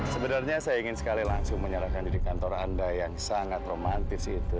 sebenarnya saya ingin sekali langsung menyerahkan diri kantor anda yang sangat romantis itu